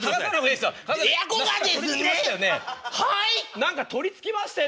何か取りつきましたよね